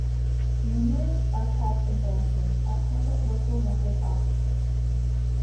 Numerous archives of branches are held at local record offices.